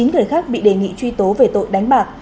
chín người khác bị đề nghị truy tố về tội đánh bạc